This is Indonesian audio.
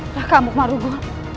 alah kamu kemarungu